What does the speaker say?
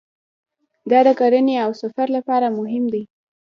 دا د کرنې او سفر لپاره مهم دی.